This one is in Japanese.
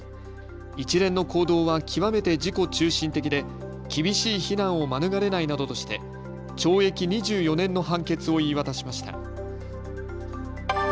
一連の行動は極めて自己中心的で厳しい非難を免れないなどとして懲役２４年の判決を言い渡しました。